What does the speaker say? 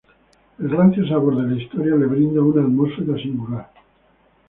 El rancio sabor de la historia le brinda una atmósfera singular.